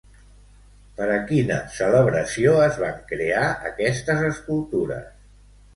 Per a quina celebració es van crear aquestes escultures?